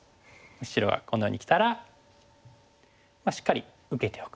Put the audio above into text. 白がこのようにきたらしっかり受けておく。